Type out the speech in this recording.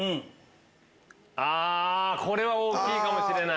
あこれは大きいかもしれない。